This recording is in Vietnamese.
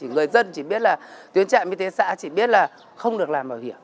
người dân chỉ biết là tuyến trạm y tế xã chỉ biết là không được làm bảo hiểm